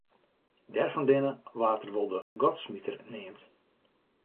Dêrfandinne waard er wol de ‘godsmiter’ neamd.